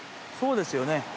そうですよね。